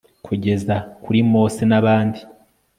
kugeza kuri mose nabandi